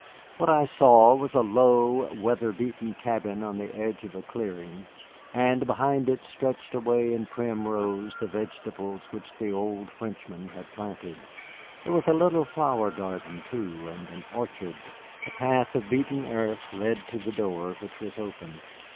What I saw was a low, weather beaten cabin on the edge of a clearing, and behind it stretched away in prim rows the vegetables which the old Frenchman had planted. There was a little flower garden, too, and an orchard. A path of beaten earth led to the door, which was open.